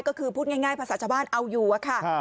ก็คือพูดง่ายภาษาชาวบ้านเอาอยู่อะค่ะ